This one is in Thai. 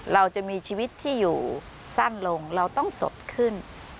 เราจะมีชีวิตที่อยู่สั้นลงเราต้องสดขึ้น